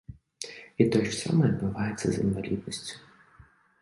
І тое ж самае адбываецца з інваліднасцю.